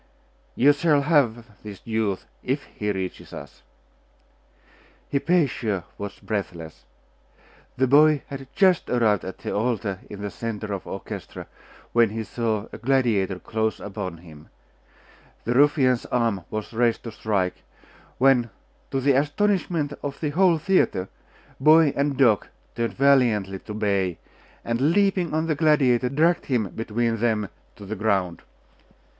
'You shall have this youth, if he reaches us.' Hypatia watched breathless. The boy had just arrived at the altar in the centre of the orchestra, when he saw a gladiator close upon him. The ruffian's arm was raised to strike, when, to the astonishment of the whole theatre, boy and dog turned valiantly to bay, and leaping on the gladiator, dragged him between them to the ground.